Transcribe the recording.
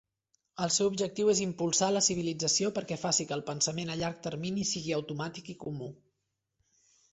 El seu objectiu és "impulsar la civilització perquè faci que el pensament a llarg termini sigui automàtic i comú".